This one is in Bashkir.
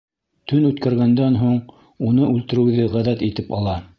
Төн үткәргәндән һуң, уны үлтереүҙе ғәҙәт итеп ала.